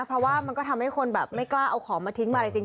เพราะว่ามันก็ทำให้คนแบบไม่กล้าเอาของมาทิ้งมาเลยจริง